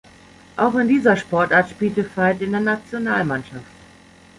Auch in dieser Sportart spielte Feith in der Nationalmannschaft.